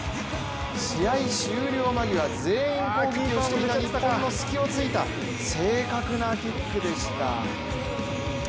試合終了間際、全員攻撃をしていた日本の隙を突いた正確なキックでした。